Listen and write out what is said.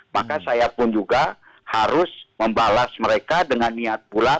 maka saya pun juga harus membalas mereka dengan niat pula